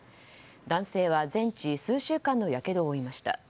男性は全治数週間のやけどを負いました。